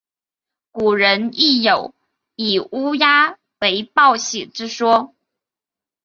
古人亦有以乌鸦为报喜之说。